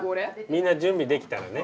みんな準備できたらね。